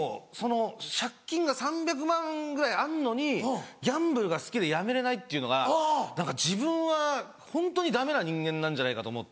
借金が３００万ぐらいあんのにギャンブルが好きでやめれないっていうのが何か自分はホントにダメな人間なんじゃないかと思って。